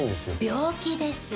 病気です。